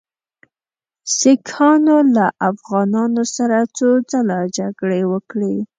سیکهانو له افغانانو سره څو ځله جګړې وکړې.